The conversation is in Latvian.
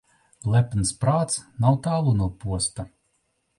Lepns prāts nav tālu no posta.